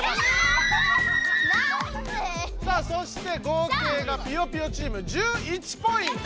さあそして合計がぴよぴよチーム１１ポイント！